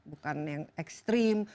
bukan yang ekstrim